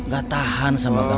gak tahan sama kampung aneh